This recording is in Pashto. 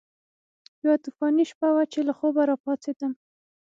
یوه طوفاني شپه وه چې له خوبه راپاڅېدم.